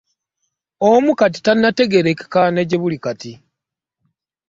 Omu kati tannategeerekeka ne gyebuli Kati.